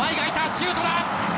シュートだ！